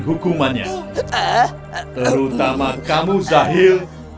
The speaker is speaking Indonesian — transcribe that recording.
hukumannya terutama kamu zahil